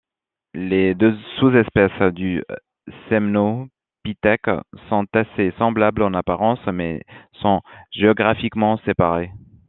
Les deux sous-espèces du semnopithèque sont assez semblables en apparence mais sont géographiquement séparées.